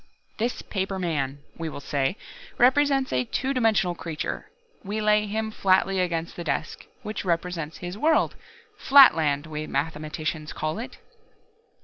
"This paper man, we will say, represents a two dimensional creature. We lay him flatly against the desk, which represents his world Flatland, we mathematicians call it.